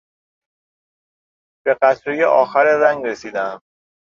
به قطرهی آخر رنگ رسیدهام.